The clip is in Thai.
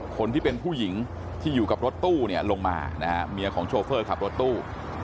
คนที่เป็นผู้หญิงที่อยู่กับรถตู้เนี่ยลงมานะฮะเมียของโชเฟอร์ขับรถตู้